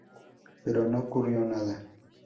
Pero no ocurrió nada.